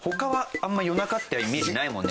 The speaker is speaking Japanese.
あんまり夜中ってイメージないもんね